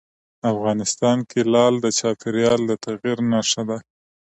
افغانستان کې لعل د چاپېریال د تغیر نښه ده.